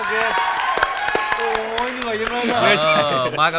กิเลนพยองครับ